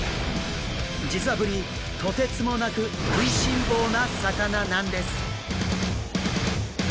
実はブリとてつもなく食いしん坊な魚なんです！